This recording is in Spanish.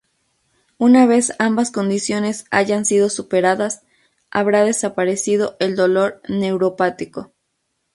Una vez ambas condiciones hayan sido superadas, habrá desaparecido el dolor neuropático.